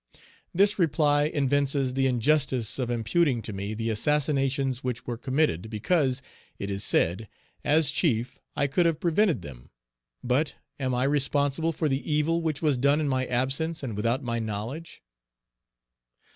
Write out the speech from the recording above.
This reply evinces the injustice of imputing to me the assassinations which were committed, because, it is said, as chief, I could have prevented them; but am I responsible for the evil which was done in my absence and without my knowledge?